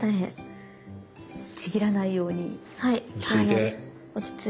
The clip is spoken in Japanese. ちぎらないように。